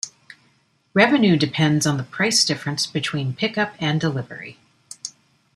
Revenue depends on the price difference between pick-up and delivery.